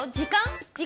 時間？